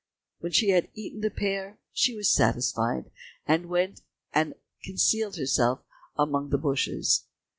When she had eaten the pear, she was satisfied, and went and concealed herself among the bushes.